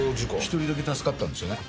１人だけ助かったんですよね。